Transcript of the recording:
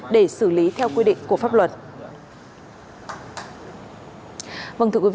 để xử lý theo quy định của pháp luật